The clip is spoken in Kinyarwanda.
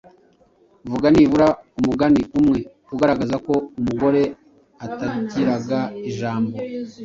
Vuga nibura umugani umwe ugaragaza ko umugore atagiraga ijambo